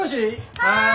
はい。